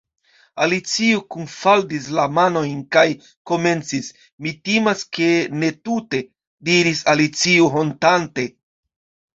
Alicio kunfaldis la manojn kaj komencis: "Mi timas ke ne tute " diris Alicio hontante.